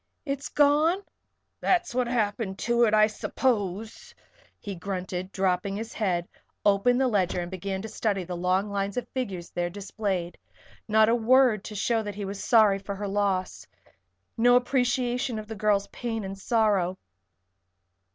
It's gone?" "That's what happened to it, I suppose," he grunted, and dropping his head, opened the ledger and began to study the long lines of figures there displayed. Not a word to show that he was sorry for her loss. No appreciation of the girl's pain and sorrow.